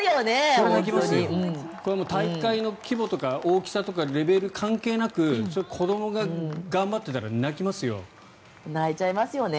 これは大会の規模とか大きさとかレベル関係なく子どもが頑張っていたら泣いちゃいますよね。